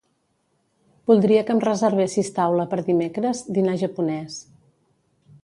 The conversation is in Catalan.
Voldria que em reservessis taula per dimecres, dinar japonès.